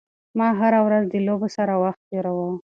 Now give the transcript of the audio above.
ما هره ورځ د لوبو سره وخت تېراوه.